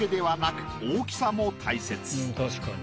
確かに。